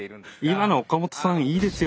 今の岡本さんいいですよ！